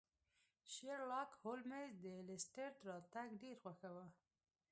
شیرلاک هولمز د لیسټرډ راتګ ډیر خوښاوه.